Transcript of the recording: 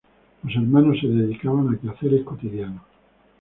Los hermanos se dedicaban a quehaceres cotidianos.